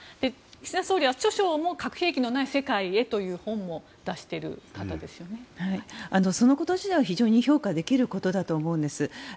岸田総理は著書で「核兵器のない世界へ」という本もそのこと自体は非常に評価できることだと思うんです。